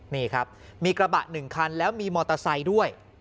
นี่ครับมีกระบะ๑คันแล้วมีมอเตอร์ไซค์ด้วย